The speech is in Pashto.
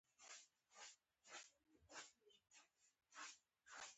دوی د ډیموکراسۍ په دوکان کې پلازې او بلډینګونه جوړ کړل.